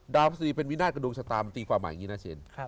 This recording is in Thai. ดาวประสิทธิ์เป็นวินาทกระดูกชะตามันตีความหมายอย่างนี้นะเชน